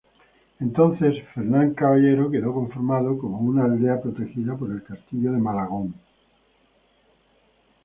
Entonces Fernán Caballero quedó conformado como una aldea protegida por el Castillo de Malagón.